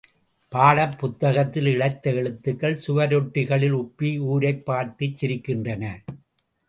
பாடப்புத்தகத்தில் இளைத்த எழுத்துக்கள், சுவரொட்டிகளில் உப்பி ஊரைப் பார்த்துச் சிரிக்கின்றன.